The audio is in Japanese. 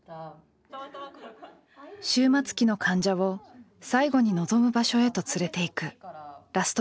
終末期の患者を最後に望む場所へと連れて行く「ラストドライブ」。